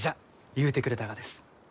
ゆうてくれたがです。